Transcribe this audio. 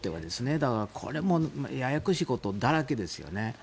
だから、これもややこしいことだらけですよね。